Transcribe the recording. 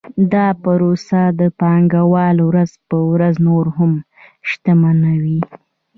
دا پروسه پانګوال ورځ په ورځ نور هم شتمنوي